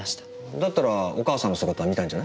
だったらお母さんの姿見たんじゃない？